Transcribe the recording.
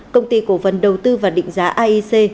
công ty cổ phần đầu tư và định giá aic